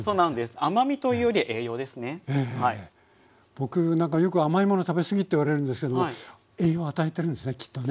僕よく「甘い物食べ過ぎ」って言われるんですけども栄養与えてるんですねきっとね。